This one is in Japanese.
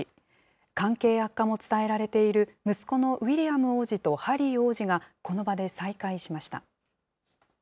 関係悪化も伝えられている息子のウィリアム王子とハリー王子が、この場で再会しました。